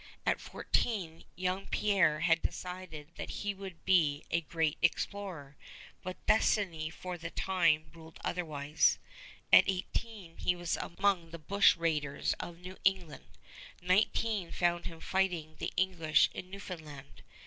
At fourteen young Pierre had decided that he would be a great explorer, but destiny for the time ruled otherwise. At eighteen he was among the bushraiders of New England. Nineteen found him fighting the English in Newfoundland.